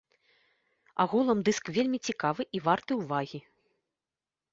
Агулам дыск вельмі цікавы і варты ўвагі.